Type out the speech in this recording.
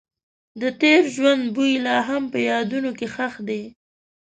د تېر ژوند بوی لا هم په یادونو کې ښخ دی.